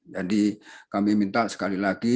jadi kami minta sekali lagi